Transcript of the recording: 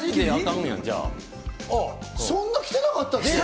そんな来てなかったっけ？